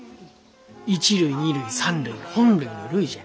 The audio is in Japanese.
一塁二塁三塁本塁の塁じゃ。